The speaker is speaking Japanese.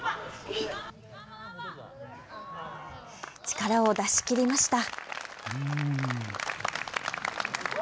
力を出し切りました。